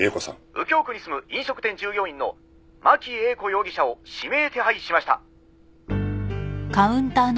「右京区に住む飲食店従業員の真木英子容疑者を指名手配しました」